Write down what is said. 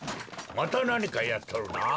またなにかやっとるな。